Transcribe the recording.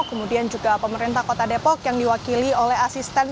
kemudian juga pemerintah kota depok yang diwakili oleh asisten